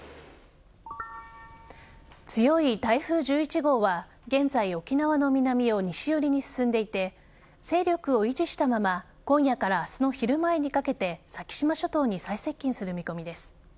強い台風１１号は現在、沖縄の南を西寄りに進んでいて勢力を維持したまま今夜から明日の昼前にかけて先島諸島に最接近する見込みです。